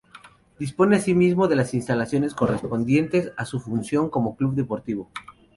Dispone asimismo de las instalaciones correspondientes a su función como club deportivo.